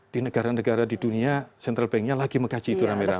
di negara negara di dunia central banknya lagi mengkaji itu rame rame